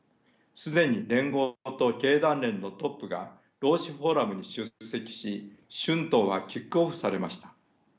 既に連合と経団連のトップが労使フォーラムに出席し春闘はキックオフされました。